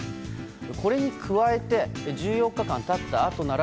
これに加えて１４日間経ったあとなら